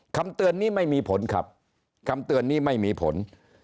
คำเตือนนี้ไม่มีผลครับคำเตือนนี้ไม่มีผล